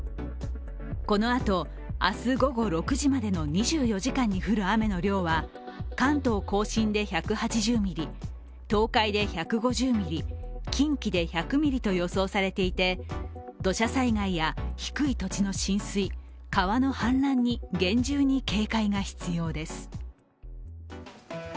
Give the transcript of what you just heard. このあと明日午後６時までの２４時間に降る雨の量は関東甲信で１８０ミリ、東海で１５０ミリ、近畿で１００ミリと予想されていて土砂災害や低い土地の浸水、川の氾濫に厳重に警戒が必要です。